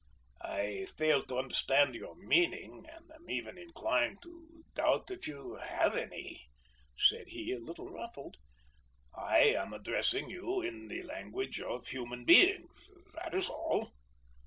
"I fail to understand your meaning, and am even inclined to doubt that you have any," said he, a little ruffled. "I am addressing you in the language of human beings that is all."